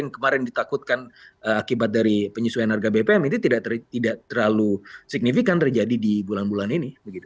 yang kemarin ditakutkan akibat dari penyesuaian harga bpm itu tidak terlalu signifikan terjadi di bulan bulan ini